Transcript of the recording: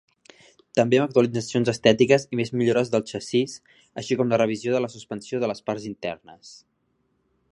També amb actualitzacions estètiques i més millores del xassís, així com la revisió de la suspensió de les parts internes.